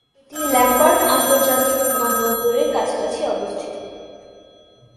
এটি ল্যাম্বার্ট আন্তর্জাতিক বিমানবন্দরের কাছাকাছি অবস্থিত।